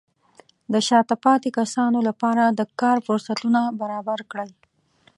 د شاته پاتې کسانو لپاره د کار فرصتونه برابر کړئ.